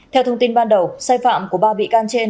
theo thông tin ban đầu sai phạm của ba bị can trên